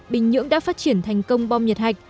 bình nhưỡng đã phát triển thành công bom nhật hạch